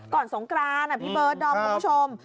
ก่อนสงครานพี่เบิร์ดน้องคุณผู้ชม